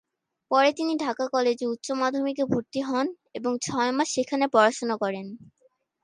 পরে তিনি ঢাকা কলেজে উচ্চ মাধ্যমিকে ভর্তি হন এবং ছয়মাস সেখানে পড়াশোনা করেন।